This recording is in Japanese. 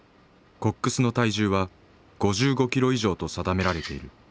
コックスの体重は５５キロ以上と定められている。